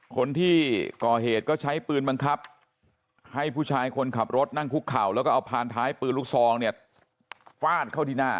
คนที่ก่อเหตุก็ใช้ปืนบังคับให้ผู้ชายคนขับรถนั่งคุกเข่าแล้วก็เอาพานท้ายปืนลูกซองเนี่ยฟาดเข้าที่หน้า